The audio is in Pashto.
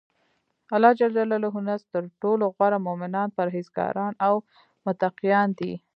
الله ج په نزد ترټولو غوره مؤمنان پرهیزګاران او متقیان دی.